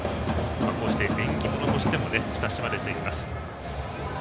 こうして縁起物としても親しまれています。